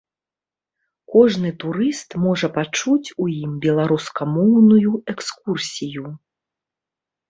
Кожны турыст можа пачуць у ім беларускамоўную экскурсію.